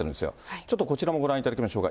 ちょっとこちらもご覧いただきましょうか。